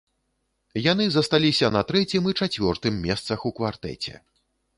Яны засталіся на трэцім і чацвёртым месцах у квартэце.